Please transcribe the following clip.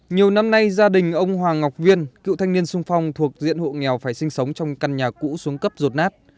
nhiều năm nay gia đình ông hoàng ngọc viên cựu thanh niên sung phong thuộc diện hộ nghèo phải sinh sống trong căn nhà cũ xuống cấp rột nát